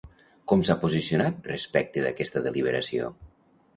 Com s'ha posicionat respecte d'aquesta deliberació?